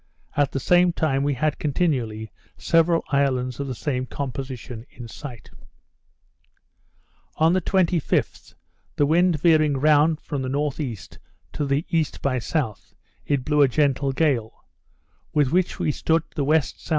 at the same time we had continually several islands of the same composition in sight. On the 25th, the wind veering round from the N.E., by the east to south, it blew a gentle gale; with which we stood to the W.